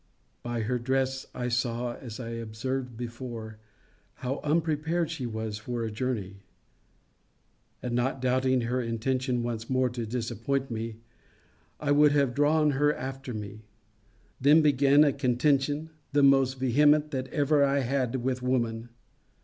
By her dress, I saw, as I observed before, how unprepared she was for a journey; and not doubting her intention once more to disappoint me, I would have drawn her after me. Then began a contention the most vehement that ever I had with woman.